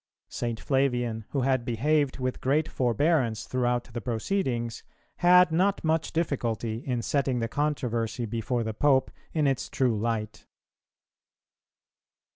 St. Flavian, who had behaved with great forbearance throughout the proceedings, had not much difficulty in setting the controversy before the Pope in its true light.